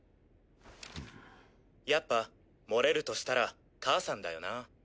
やっぱ漏れるとしたら母さんだよなぁ。